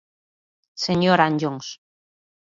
Señor Anllóns.